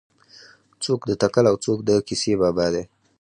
څوک د تکل او څوک د کیسې بابا دی.